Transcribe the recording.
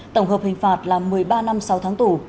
tổng hợp hình phạt là một mươi ba năm sáu tháng tù